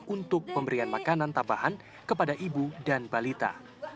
untuk pemberian makanan tambahan kepada ibu dan balita